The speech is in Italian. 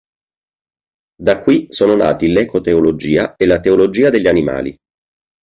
Da qui sono nati l'ecoteologia e la teologia degli animali.